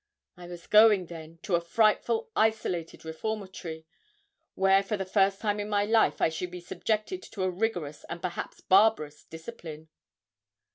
I was going, then, to a frightful isolated reformatory, where for the first time in my life I should be subjected to a rigorous and perhaps barbarous discipline.